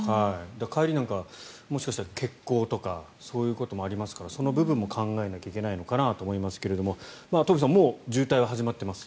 帰りなんかはもしかしたら欠航ということもあるかもしれないのでその部分も考えなきゃいけないのかなと思いますが東輝さん、もう渋滞は始まっています。